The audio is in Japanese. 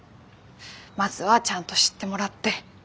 まずはちゃんと知ってもらって。